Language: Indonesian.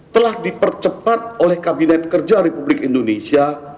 telah dipercepat oleh kabinet kerja republik indonesia